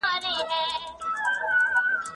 موسيقي واوره!!